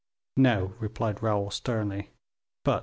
"No," replied Raoul, sternly, "but M.